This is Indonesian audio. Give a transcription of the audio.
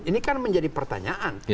ini kan menjadi pertanyaan